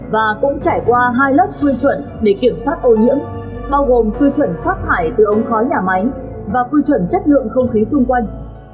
và cũng trải qua hai lớp quy chuẩn để kiểm soát ô nhiễm bao gồm quy chuẩn phát thải từ ống khói nhà máy và quy chuẩn chất lượng không khí xung quanh